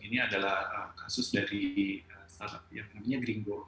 ini adalah kasus dari startup ya namanya gringo